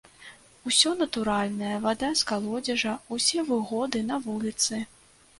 Усё натуральнае, вада з калодзежа, усе выгоды на вуліцы.